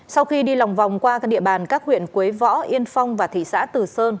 sau khi đi lòng vòng qua các địa bàn các huyện quế võ yên phong và thị xã từ sơn